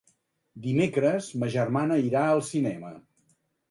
Dimecres ma germana irà al cinema.